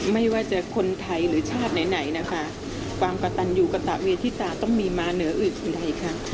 ไม่ว่าจะคนไทยหรือชาติไหนนะคะความกระตันอยู่กระตะเวทิตาต้องมีมาเหนืออื่นอีกค่ะ